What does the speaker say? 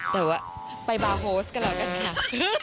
แต่ว่าไปบาร์โฮสกันแล้วกันค่ะ